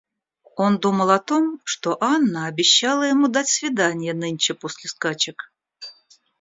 Он думал о том, что Анна обещала ему дать свиданье нынче после скачек.